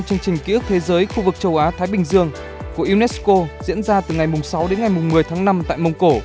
chương trình ký ức thế giới khu vực châu á thái bình dương của unesco diễn ra từ ngày sáu đến ngày một mươi tháng năm tại mông cổ